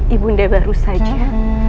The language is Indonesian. ibu nde baru saja